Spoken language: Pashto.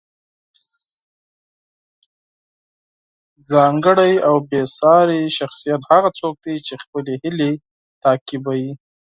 ځانګړی او بې ساری شخصیت هغه څوک دی چې خپلې هیلې تعقیبوي.